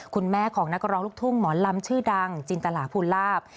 คุณแม่ของนักร้องลูกทุ่งหมอลำชื่อดังจินตลาภูลาภ